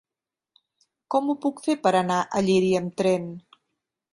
Com ho puc fer per anar a Llíria amb tren?